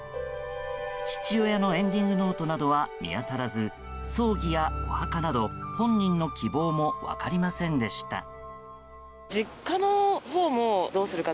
父親のエンディングノートなどは見当たらず葬儀やお墓など、本人の希望も分かりませんでした。